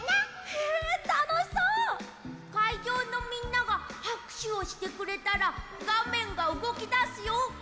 へえたのしそう！かいじょうのみんながはくしゅをしてくれたらがめんがうごきだすよ！